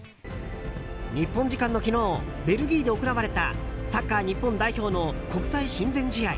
日本時間の昨日ベルギーで行われたサッカー日本代表の国際親善試合。